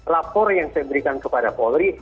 lapor yang saya berikan kepada polri